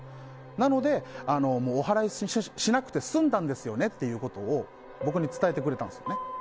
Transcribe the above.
なので、おはらいをしなくてすんだんですよねということを僕に伝えてくれたんですよね。